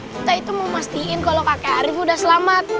kita itu mau mastiin kalau kakek arief udah selamat